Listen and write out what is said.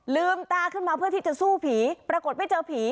ลืมตาขึ้นมาเพื่อที่จะสู้ผีปรากฏไม่เจอผี